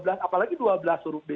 apalagi dua belas huruf b